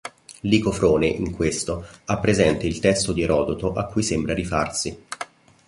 Licofrone, in questo, ha presente il testo di Erodoto a cui sembra rifarsi.